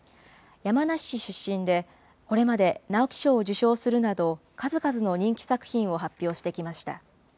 山梨市出身で、これまで直木賞を受賞するなど、数々の人気作品を発表してきました。